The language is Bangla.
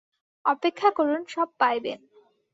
অপেক্ষা করুন, সব পাইবেন।